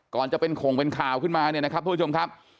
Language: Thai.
ก่อนจะเป็นข่งเป็นข่าวขึ้นมาเนี่ยนะครับทุกผู้ชมครับ